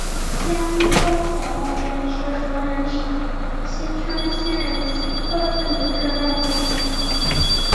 香花小辣椒是河南省淅川县香花镇的一个辣椒品种。